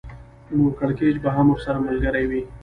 نو کړکېچ به هم ورسره ملګری وي